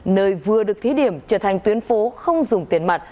nơi vừa được thí điểm trở thành tuyến phố không dùng tiền mặt